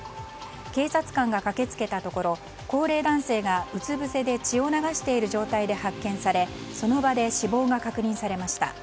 警察官が駆け付けたところ高齢男性がうつぶせで血を流している状態で発見されその場で死亡が確認されました。